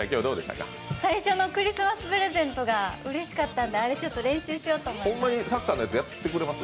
最初のクリスマスプレゼントがうっれしかったんであれ、ちょっと練習しようと思ってます。